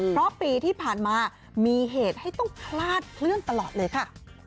เพราะปีที่ผ่านมามีเหตุให้ต้องคลาดเคลื่อนตลอดเลยค่ะ